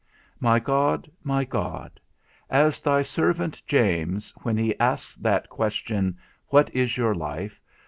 My God, my God, as thy servant James, when he asks that question, _What is your life?